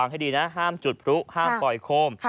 ห้ามจุดพลุห้ามปล่อยโคม